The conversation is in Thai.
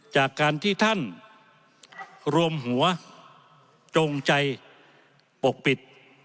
จากการที่ท่านรวมหัวจงใจปกปิด